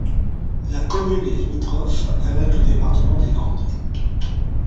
La commune est limitrophe avec le département des Landes.